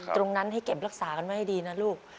ตรงนั้นให้เก็บรักษากันไว้ให้ดีนะลูก